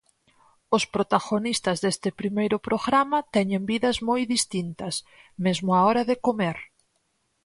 As protagonistas deste primeiro programa teñen vidas moi distintas, mesmo á hora de comer.